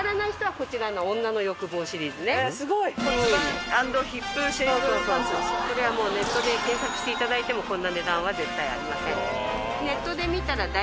これはネットで検索していただいてもこんな値段は絶対ありません。